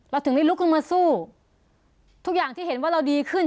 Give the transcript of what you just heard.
ถึงได้ลุกขึ้นมาสู้ทุกอย่างที่เห็นว่าเราดีขึ้น